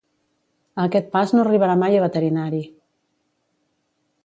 A aquest pas no arribarà mai a veterinari!